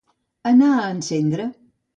Anar a encendre.